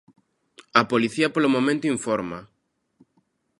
A policía polo momento informa.